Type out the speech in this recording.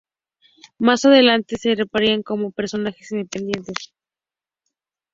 Más adelante se separarían como personajes independientes.